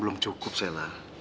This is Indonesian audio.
belum cukup sheila